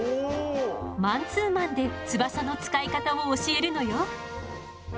マンツーマンで翼の使い方を教えるのよ。